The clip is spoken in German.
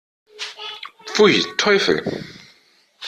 Pfui, Teufel!